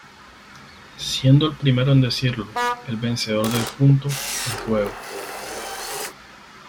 Siendo el primero en decirlo el vencedor del punto en juego.